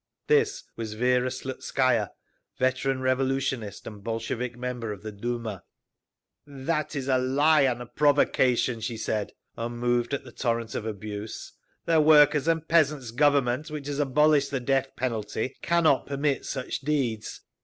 This was Vera Slutskaya, veteran revolutionist and Bolshevik member of the Duma. "That is a lie and a provocation!" she said, unmoved at the torrent of abuse. "The Workers' and Peasants' Government, which has abolished the death penalty, cannot permit such deeds.